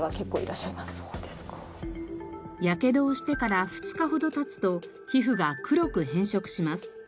やけどをしてから２日ほど経つと皮膚が黒く変色します。